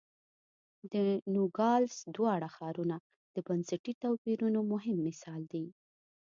د نوګالس دواړه ښارونه د بنسټي توپیرونو مهم مثال دی.